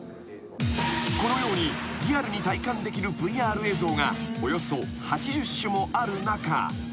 ［このようにリアルに体感できるＶＲ映像がおよそ８０種もある中］